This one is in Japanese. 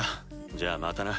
じゃあまたな。